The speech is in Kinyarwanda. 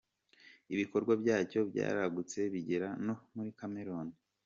Ibikorwa byacyo byaragutse bigera no muri Cameroon.